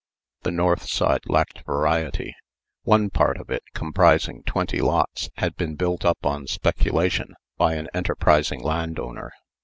The north side lacked variety. One part of it, comprising twenty lots, had been built up on speculation by an enterprising landowner.